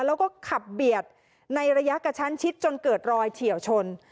แล้วก็ขับเบียดในระยะกระชั้นชิดจนเกิดรอยเฉียวชน